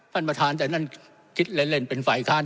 ท่านประธานแต่นั่นคิดเล่นเป็นฝ่ายค้าน